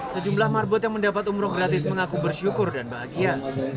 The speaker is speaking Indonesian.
sejumlah marbot yang mendapat umroh gratis mengaku bersyukur dan bahagia